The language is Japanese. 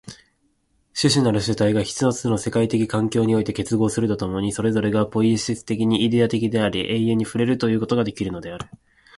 種々なる主体が一つの世界的環境において結合すると共に、それぞれがポイエシス的にイデヤ的であり、永遠に触れるということができるのである。